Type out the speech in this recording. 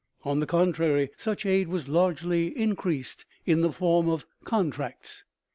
On the contrary, such aid was largely increased in the form of "contracts."